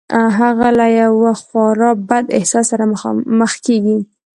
هغه له یوه خورا بد احساس سره مخ کېږي